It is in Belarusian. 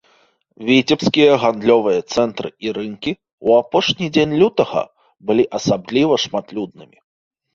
Віцебскія гандлёвыя цэнтры і рынкі ў апошні дзень лютага былі асабліва шматлюднымі.